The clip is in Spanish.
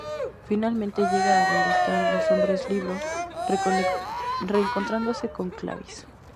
Finalmente llega a donde están los hombres-libro, reencontrándose con Clarisse.